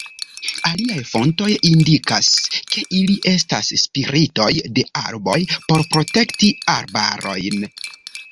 Aliaj fontoj indikas, ke ili estas spiritoj de arboj por protekti arbarojn.